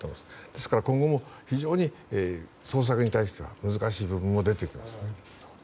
ですから今後も非常に捜索に対して難しい部分も出てきますね。